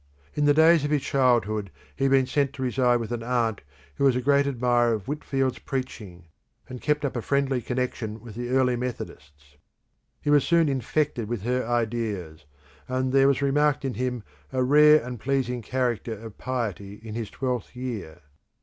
In the days of his childhood he had been sent to reside with an aunt who was a great admirer of Whitfield's preaching, and kept up a friendly connection with the early Methodists. He was soon infected with her ideas, and "there was remarked in him a rare and pleasing character of piety in his twelfth year."